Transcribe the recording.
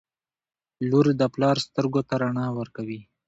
• لور د پلار سترګو ته رڼا ورکوي.